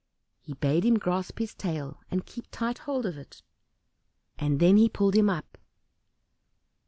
He bade him grasp his tail and keep tight hold of it; and then he pulled him up.